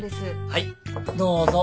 はいどうぞ